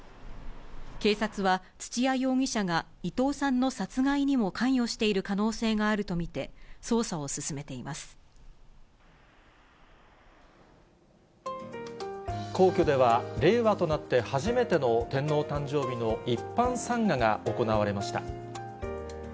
警察は、土屋容疑者が伊藤さんの殺害にも関与している可能性があると見て、皇居では、令和となって初めての天皇誕生日の一般参賀が行われました。